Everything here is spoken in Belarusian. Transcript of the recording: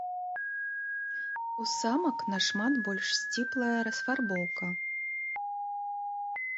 У самак нашмат больш сціплая расфарбоўка.